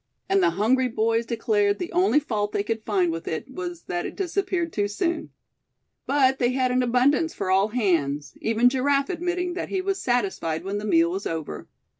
And the hungry boys declared the only fault they could find with it was that it disappeared too soon. But they had an abundance for all hands, even Giraffe admitting that he was satisfied when the meal was over.